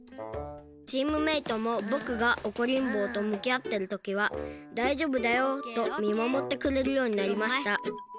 チームメートもぼくがおこりんぼうとむきあってるときは「だいじょうぶだよ」とみまもってくれるようになりました。